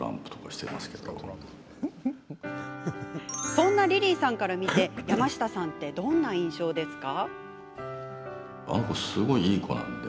そんなリリーさんから見て山下さんってどんな印象ですか？